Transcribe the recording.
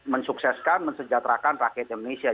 mensukseskan mensejahterakan rakyat indonesia